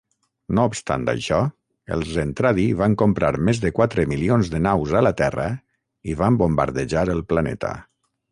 No obstant això, els Zentradi van comprar més de quatre milions de naus a la Terra i van bombardejar el planeta.